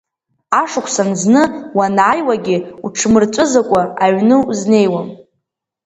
Ашықәсан зны уанааиуагьы, уҽмырҵәызыкәа аҩны узнеиуам.